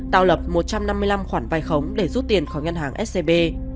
tạo lập một trăm năm mươi năm khoản vai khống để rút tiền khỏi ngân hàng scb